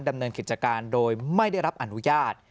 ดำเนินกิจการโดยไม่ได้รับอนุญาต